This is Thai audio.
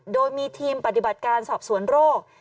โดยมีทีมปฏิบัติการสอบสวนโรค